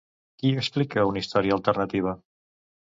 Qui explica una història alternativa?